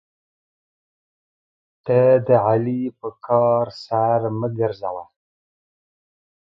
ته د علي په کار سر مه ګرځوه.